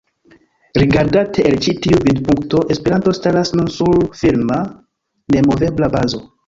Rigardate el ĉi tiu vidpunkto, Esperanto staras nun sur firma, nemovebla bazo.